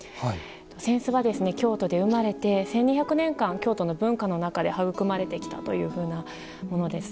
扇子は、京都で生まれて１２００年間、京都の文化の中で育まれてきたというふうなものです。